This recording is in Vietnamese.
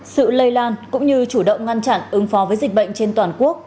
sự lây lan cũng như chủ động ngăn chặn ứng phó với dịch bệnh trên toàn quốc